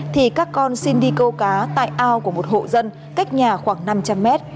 thì các con xin đi câu cá tại ao của một hộ dân cách nhà khoảng năm trăm linh mét